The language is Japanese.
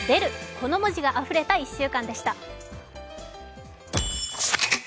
この文字があふれた１週間でした。